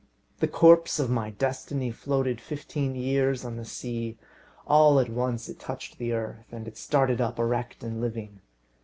The corpse of my destiny floated fifteen years on the sea; all at once it touched the earth, and it started up, erect and living.